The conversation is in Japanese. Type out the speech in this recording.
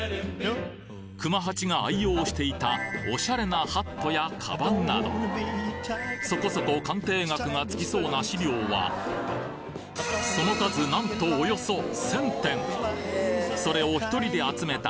熊八が愛用していたおしゃれなハットやカバンなどそこそこ鑑定額がつきそうな資料はその数なんとおよそ１，０００点それを一人で集めた